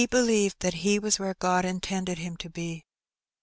believed that he was where God intended him to be.